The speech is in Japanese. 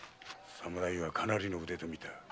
侍はかなりの腕と見た。